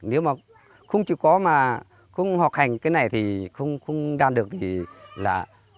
nếu mà không chỉ có mà không học hành cái này thì không đan được thì là